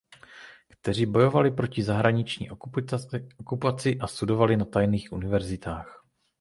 Kteří bojovali proti zahraniční okupaci a studovali na tajných univerzitách.